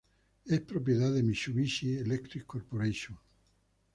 Es propiedad de Mitsubishi Electric Corporation.